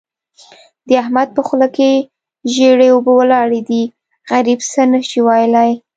د احمد په خوله کې ژېړې اوبه ولاړې دي؛ غريب څه نه شي ويلای.